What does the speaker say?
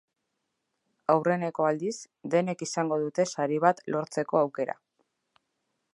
Aurreneko aldiz, denek izango dute sari bat lortzeko aukera.